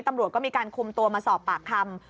ตำรวจก็มีการคุมตัวมาสอบปากคำ